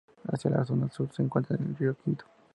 Hacía la zona sur se encuentra el Río Quinto.